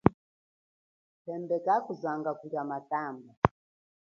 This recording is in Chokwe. Phembe kakuzanga kulia matamba.